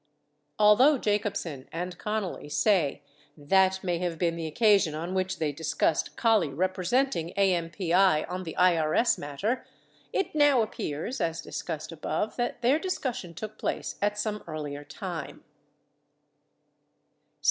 Although Jacobsen and Connally say that may have been the occasion on which they discussed Collie representing AMPI on the IRS matter, 6 it now appears (as discussed above) that their discussion took place at some earlier time.